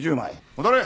戻れ。